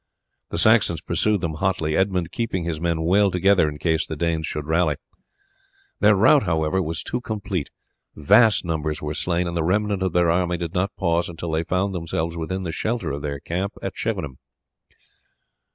The Saxons pursued them hotly, Edmund keeping his men well together in case the Danes should rally. Their rout, however, was too complete; vast numbers were slain, and the remnant of their army did not pause until they found themselves within the shelter of their camp at Chippenham.